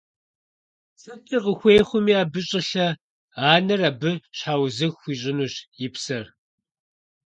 СыткӀэ къыхуей хъуми абы щӀылъэ – анэр абы щхьэузыхь хуищӀынущ и псэр.